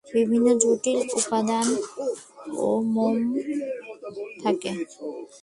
বিভিন্ন জটিল উপাদানও মোম থাকে।